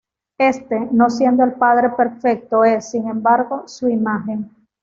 Éste, no siendo el Padre Perfecto es, sin embargo, su imagen.